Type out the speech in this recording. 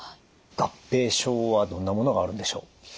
合併症はどんなものがあるんでしょう？